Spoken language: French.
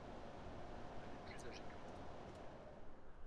Elle est plus agée que moi.